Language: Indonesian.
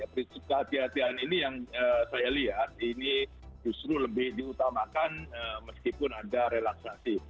prinsip kehatian kehatian ini yang saya lihat ini justru lebih diutamakan meskipun ada relaksasi